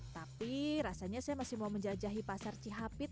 tapi rasanya saya masih mau menjajahi pasar cihapit